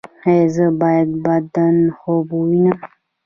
ایا زه باید بد خوب ووینم؟